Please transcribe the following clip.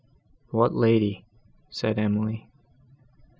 "What lady?" said Emily.